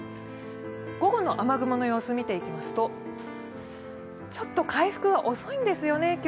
午後の雨雲の様子、見ていきますとちょっと回復が遅いんですよね。